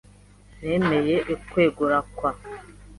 Nemeye ukwegura kwa .